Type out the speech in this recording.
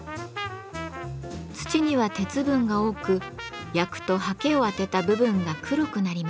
土には鉄分が多く焼くと刷毛を当てた部分が黒くなります。